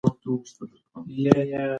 مور د ماشوم د خوراک پاکوالی ساتي.